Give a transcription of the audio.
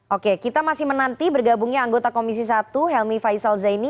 oke kita masih menanti bergabungnya anggota komisi satu helmi faisal zaini